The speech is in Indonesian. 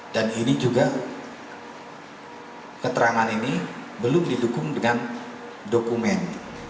dan ini juga keterangan ini belum dilukung dengan dokumen